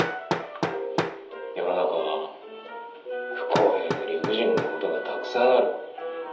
世の中は不公平で理不尽なことがたくさんある。